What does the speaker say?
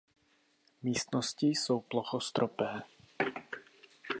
Místnosti jsou plochostropé.